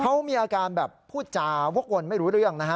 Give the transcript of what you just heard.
เขามีอาการแบบผู้จาวกวนไม่รู้หรืออย่าง